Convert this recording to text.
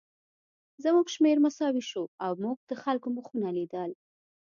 زموږ شمېر مساوي شو او موږ د خلکو مخونه لیدل